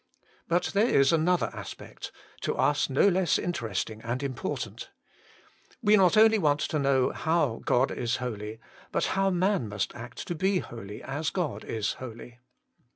But there is another aspect, to us no less interesting and important. We not only want to know how God is holy, but how man must act to be holy as God is holy.